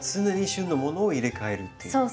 常に旬のものを入れ替えるっていう。